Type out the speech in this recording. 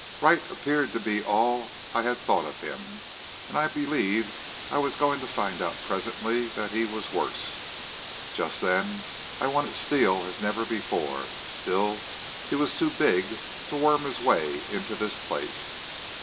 Wright appeared to be all I had thought of him, and I believed I was going to find out presently that he was worse. Just then I wanted Steele as never before. Still, he was too big to worm his way into this place.